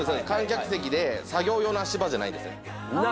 観客席で作業用の足場じゃないですね。